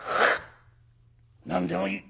「何でもいい。